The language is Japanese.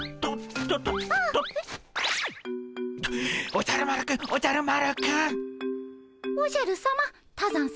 おじゃる丸くんおじゃる丸くん。